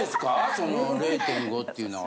その０．５っていうのは？